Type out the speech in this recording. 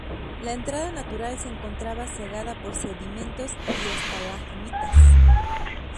La entrada natural se encontrada cegada por sedimentos y estalagmitas.